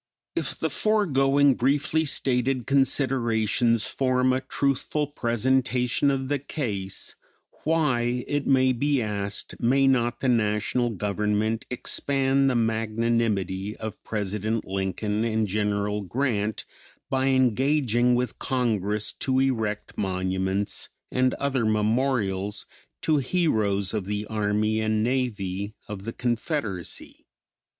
If the foregoing briefly stated considerations form a truthful presentation of the case, why, it may be asked, may not the National Government expand the magninimity of President Lincoln and General Grant by engaging with Congress to erect monuments and other memorials to heroes of the army and navy of the Confederacy?